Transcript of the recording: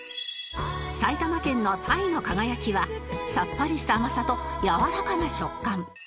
埼玉県の彩のかがやきはさっぱりした甘さとやわらかな食感